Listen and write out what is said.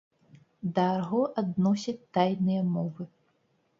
Да арго адносяць тайныя мовы.